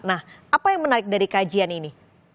nah apa yang menarik dari kajian ini